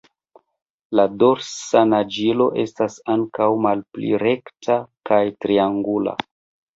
La dorsa naĝilo estas ankaŭ malpli rekta kaj triangula.